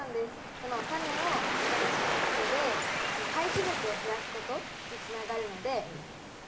そのタネをムダにしないことで廃棄物を減らすことにつながるのでさすてなポイントです。